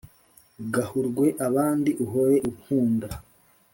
gahurwe abandi uhore unkunda